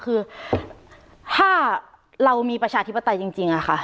คือถ้าเรามีประชาธิปไตยจริงค่ะ